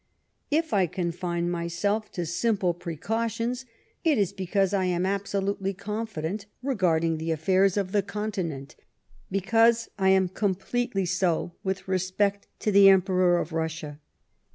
If I confiue myself to simple precautions, it is because I am absolutely confident regarding tlie affairs of the Continent, because I am completely so with respect to the Emperor of Russia.